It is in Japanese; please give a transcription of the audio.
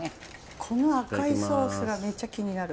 この赤いソースがめっちゃ気になる。